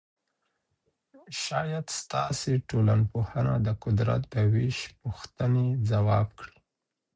شاید سیاسي ټولنپوهنه د قدرت د وېش پوښتنې ځواب کړي.